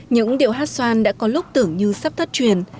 những điệu hát xoan đã có lúc tưởng như sắp thất truyền